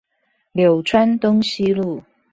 柳川東西路